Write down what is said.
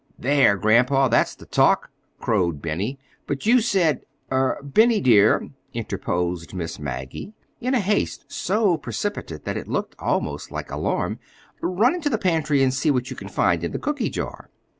"There, grandpa, that's the talk!" crowed Benny. "But you said—" "Er—Benny, dear," interposed Miss Maggie, in a haste so precipitate that it looked almost like alarm, "run into the pantry and see what you can find in the cooky jar."